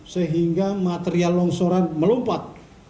sehingga material longsoran melompat